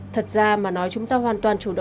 thật ra mà nói chúng ta hoàn toàn chủ động